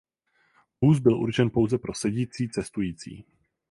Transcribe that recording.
Vůz byl určen pouze pro sedící cestující.